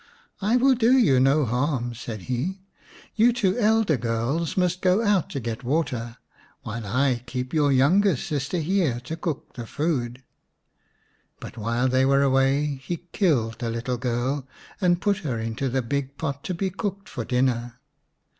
" I will do you no harm," said he ;" you two elder girls must go out to get water while I keep your youngest sister here to cook the food." But while they were away he killed the little girl, and put her into the big pot to be cooked for dinner.